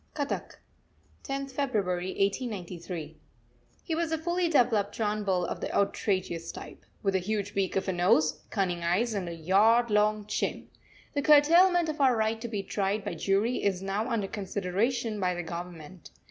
CUTTACK, 10th February 1893. He was a fully developed John Bull of the outrageous type with a huge beak of a nose, cunning eyes, and a yard long chin. The curtailment of our right to be tried by jury is now under consideration by the Government.